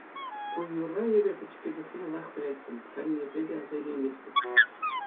Ку юрра эпӗ пӗчӗккӗ чухне лайӑх пӗлеттӗм, халь ниепле те аса илейместӗп.